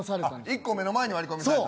１個目の前に割り込みされた。